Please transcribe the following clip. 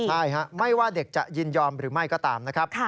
ใช่ไม่ว่าเด็กจะยินยอมหรือไม่ก็ตามนะครับ